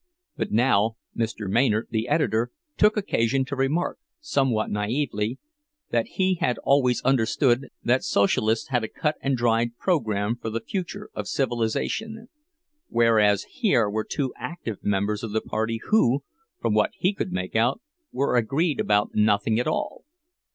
But now Mr. Maynard, the editor, took occasion to remark, somewhat naïvely, that he had always understood that Socialists had a cut and dried program for the future of civilization; whereas here were two active members of the party, who, from what he could make out, were agreed about nothing at all.